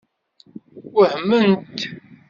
Wehment?